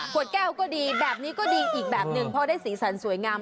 ขวดแก้วก็ดีแบบนี้ก็ดีอีกแบบหนึ่งพอได้สีสันสวยงาม